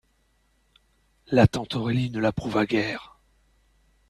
La tante Aurélie ne l'approuva guère.